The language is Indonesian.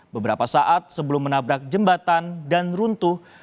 beberapa saat sebelum menabrak jembatan dan runtuh